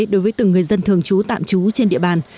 đối với từng người dân thường trú tạm trú trên địa bàn